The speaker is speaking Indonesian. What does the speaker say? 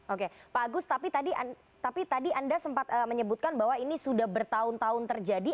oke pak agus tapi tadi anda sempat menyebutkan bahwa ini sudah bertahun tahun terjadi